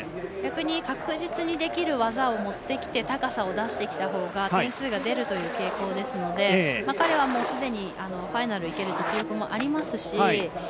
逆に確実にできる技を持ってきて高さを出してきたほうが点数が出るという傾向ですので彼はすでに、ファイナルいける実力もありますし。